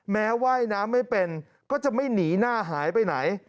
แม้ว่ายน้ำไม่เป็นก็จะไม่หนีหน้าหายไปไหน